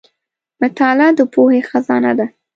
• مطالعه د پوهې خزانه ده.